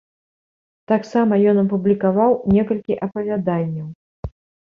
Таксама ён апублікаваў некалькі апавяданняў.